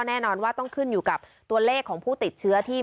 แน่นอนว่าต้องขึ้นอยู่กับตัวเลขของผู้ติดเชื้อที่